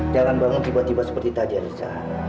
jangan bangun tiba tiba seperti tadi arissa